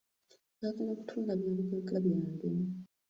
Baagala kutwala byabugagga byange.